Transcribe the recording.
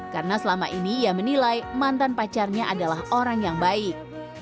karena selama ini ia menilai mantan pacarnya adalah orang yang baik